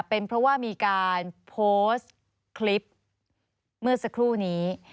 เป็นเพราะว่ามีการโพสต์คลิปเมื่อสักครู่นี้